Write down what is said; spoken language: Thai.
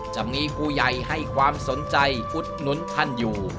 จะมีผู้ใหญ่ให้ความสนใจอุดหนุนท่านอยู่